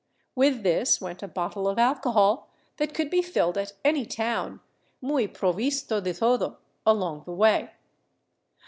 With this went a bottle of alcohol, that could be filled at any town " muy provisto de todo " along the way.